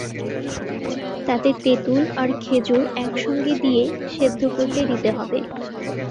তাতে তেঁতুল আর খেজুর একসঙ্গে দিয়ে সেদ্ধ করতে দিতে হবে।